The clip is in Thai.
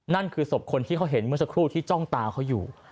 นั่นคือศพคนที่เขาเห็นเมื่อสักครู่ที่จ้องตาเขาอยู่